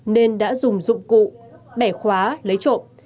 nên đã dùng dụng cụ bẻ khóa lấy trộm